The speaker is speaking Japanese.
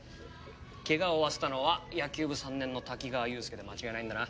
怪我を負わせたのは野球部３年の滝川雄亮で間違いないんだな？